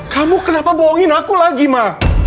kamu kenapa bohongin aku lagi ma